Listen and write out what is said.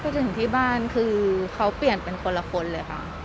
ถึงที่บ้านคือเขาเปลี่ยนเป็นคนละคนเลยค่ะ